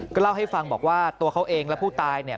ก็เล่าให้ฟังบอกว่าตัวเขาเองและผู้ตายเนี่ย